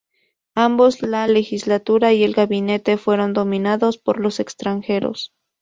Ambos, la legislatura y el Gabinete, fueron dominados por los extranjeros.